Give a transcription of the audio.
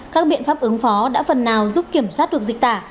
các biện pháp ứng phó đã phần nào giúp kiểm soát được dịch tả